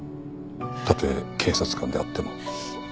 たとえ警察官であっても。